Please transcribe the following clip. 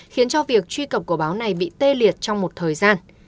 khiến cho việc truy cập của báo này bị tê liệt trong một thời gian